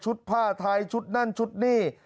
ผ้าไทยชุดนั่นชุดนี่